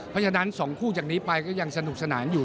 เพราะฉะนั้น๒คู่จากนี้ไปก็ยังสนุกสนานอยู่